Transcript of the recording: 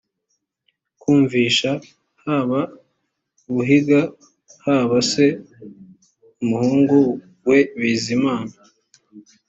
kumvisha haba buhiga haba se umuhungu we bizimana